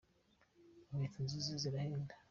Inkweto nziza zirahenda.